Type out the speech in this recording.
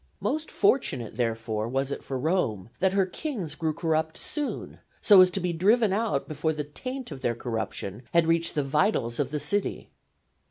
Most fortunate, therefore, was it for Rome that her kings grew corrupt soon, so as to be driven out before the taint of their corruption had reached the vitals of the city.